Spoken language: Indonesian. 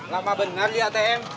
lama benar di atm